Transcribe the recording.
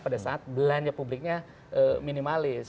pada saat belanja publiknya minimalis